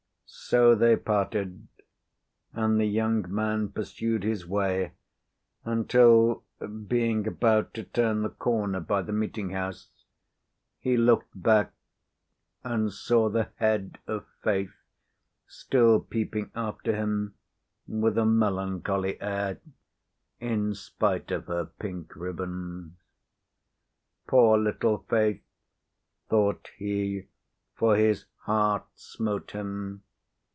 So they parted; and the young man pursued his way until, being about to turn the corner by the meeting house, he looked back and saw the head of Faith still peeping after him with a melancholy air, in spite of her pink ribbons. "Poor little Faith!" thought he, for his heart smote him.